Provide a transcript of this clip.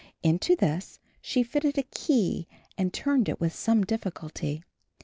Into this she fitted a key and turned it with some difficulty.